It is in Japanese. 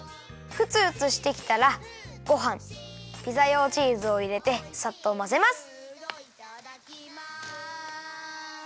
ふつふつしてきたらごはんピザ用チーズをいれてさっとまぜます。